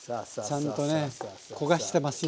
ちゃんとね焦がしてますよ。